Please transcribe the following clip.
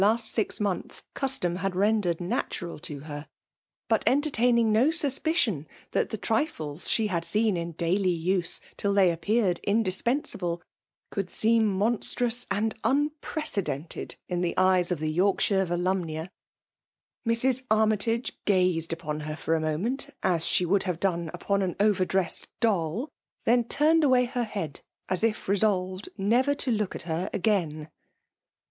iast six. n^onths, custom had rendered natwal tQ;f htt i hut entertaming no saspicion that the trifles she had seen in daily use, till they ap pealed indispensable, could seein monstrous and unprecedented in the eyes of the York shire Voliimnia^ Mrs. Armytage gazed upon her for a moment, as she would have done upon an overdressed doll ; then turned away he^ head as if resolved never to look at her again.